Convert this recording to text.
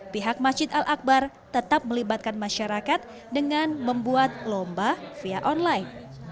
pihak masjid al akbar tetap melibatkan masyarakat dengan membuat lomba via online